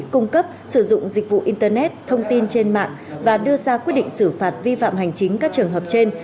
cung cấp sử dụng dịch vụ internet thông tin trên mạng và đưa ra quyết định xử phạt vi phạm hành chính các trường hợp trên